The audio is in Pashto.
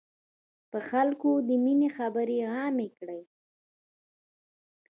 په خلکو د ميني خبري عامي کړی.